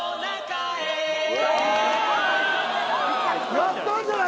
やったんじゃない？